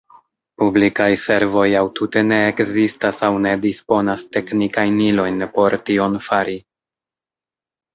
Publikaj servoj aŭ tute ne ekzistas aŭ ne disponas teknikajn ilojn por tion fari.